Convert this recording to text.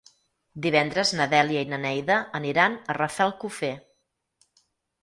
Divendres na Dèlia i na Neida aniran a Rafelcofer.